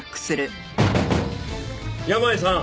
山家さん！